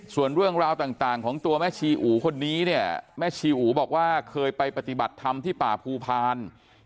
ส่วนเรื่องราวต่างของตัวแม่ชีอู๋คนนี้เนี่ยแม่ชีอูบอกว่าเคยไปปฏิบัติธรรมที่ป่าภูพาล